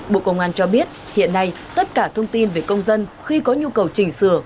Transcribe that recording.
bộ công an cho biết hiện nay tất cả thông tin về công dân khi có nhu cầu chỉnh sửa